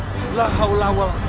kalau begitu mana ako